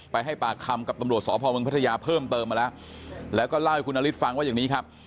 ให้ปากคำกับตำรวจสพมพัทยาเพิ่มเติมมาแล้วแล้วก็เล่าให้คุณนฤทธิฟังว่าอย่างนี้ครับ